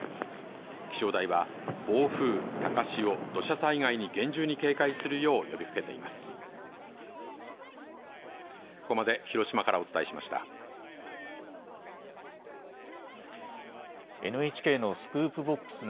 気象台は暴風、高潮、土砂災害に厳重に警戒するよう呼びかけています。